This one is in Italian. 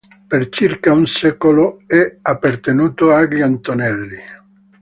Per circa un secolo è appartenuto agli Antonelli.